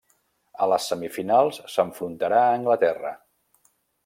A les semifinals s'enfrontarà a Anglaterra.